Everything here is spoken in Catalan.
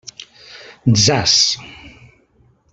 Zas!